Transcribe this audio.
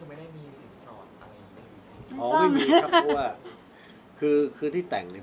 ไม่มีครับเพราะว่าคือที่แต่งเนี่ย